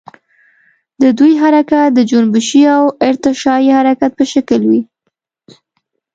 د دوی حرکت د جنبشي او ارتعاشي حرکت په شکل وي.